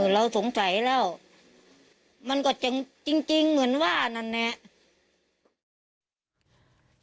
เราสงสัยแล้วมันก็จริงเหมือนว่านั่นแหละ